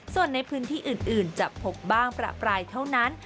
ส่วนในพื้นที่อื่นจะพบบ้างประปรายเท่านั้น